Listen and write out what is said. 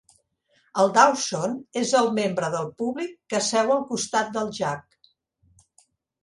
El Dawson és el membre del públic que seu al costat del Jack.